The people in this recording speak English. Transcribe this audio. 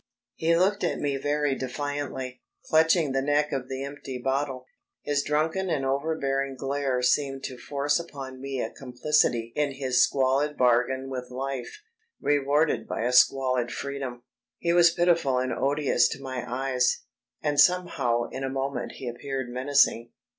He looked at me very defiantly, clutching the neck of the empty bottle. His drunken and overbearing glare seemed to force upon me a complicity in his squalid bargain with life, rewarded by a squalid freedom. He was pitiful and odious to my eyes; and somehow in a moment he appeared menacing.